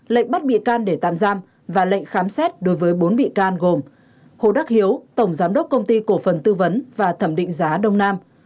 lệnh bắt bị can để tạm giam và lệnh khám xét đối với bốn bị can gồm hồ đắc hiếu tổng giám đốc công ty cổ phần tư vấn và thẩm định giá đông nam